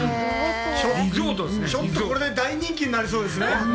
ちょっとこれ、大人気になりそうですね。